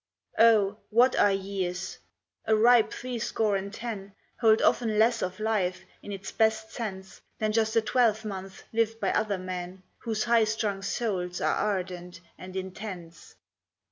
Oh! what are years? A ripe three score and ten Hold often less of life, in its best sense, Than just a twelvemonth lived by other men, Whose high strung souls are ardent and intense.